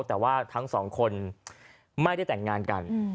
แต่ว่าทั้งสองคนไม่ได้แต่งงานกัน